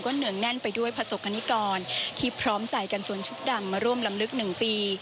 ก็เหนื่องแน่นไปด้วยผสกนิกรที่พร้อมจ่ายกันสวนชุบดำมาร่วมลำลึกหนึ่งปี